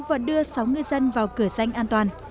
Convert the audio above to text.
và đưa sáu ngư dân vào cửa danh an toàn